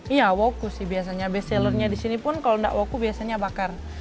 iya woku sih biasanya bestsellernya di sini pun kalau enggak woku biasanya bakar